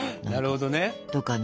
なるほどね。